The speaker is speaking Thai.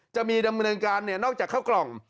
จะมีดำเนินการเนี่ยนอกจากข้าวกล่อง